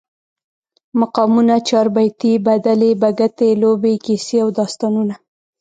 مقامونه، چاربیتې، بدلې، بګتی، لوبې، کیسې او داستانونه